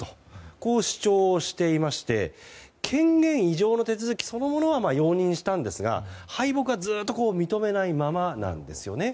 こう主張をしていまして権限移譲の手続きそのものは容認したんですが敗北はずっと認めないままなんですよね。